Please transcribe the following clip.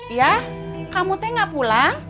iya kamu teh gak pulang